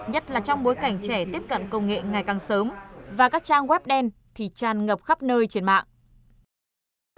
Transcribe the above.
nhất là trong bối cảnh trẻ tiếp cận công nghệ ngày càng sớm và các trang web đen thì tràn ngập khắp nơi trên mạng